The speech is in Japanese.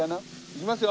いきますよ！